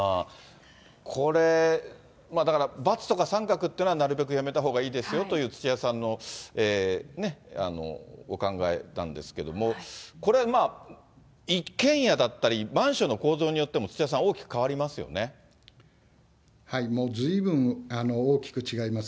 これ、だから×とか△っていうのはなるべくやめたほうがいいですよという、土屋さんのお考えなんですけれども、これ、一軒家だったりマンションの構造によっても土屋さん、大きく変わもうずいぶん大きく違います。